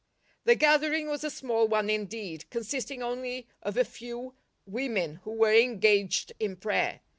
The gathering was a small one indeed, consisting only of a few. women, who were engaged in prayer.